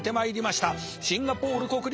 シンガポール国立大学だ！